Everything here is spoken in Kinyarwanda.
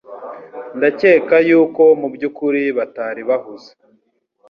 Ndakeka yuko mubyukuri batari bahuze